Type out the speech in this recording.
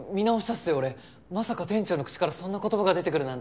まさか店長の口からそんな言葉が出てくるなんて。